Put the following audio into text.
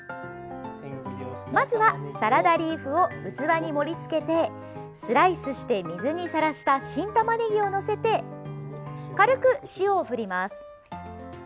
まずは、サラダリーフを器に盛り付けてスライスして水にさらした新たまねぎを載せて軽く塩を振ります。